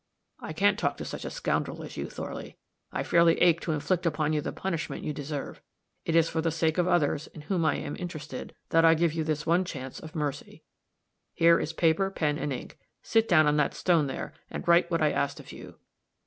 I can't talk to such a scoundrel as you, Thorley; I fairly ache to inflict upon you the punishment you deserve. It is for the sake of others, in whom I am interested, that I give you this one chance of mercy. Here is paper, pen and ink; sit down on that stone there, and write what I asked of you."